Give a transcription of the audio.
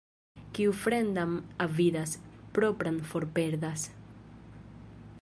Kiu fremdan avidas, propran forperdas.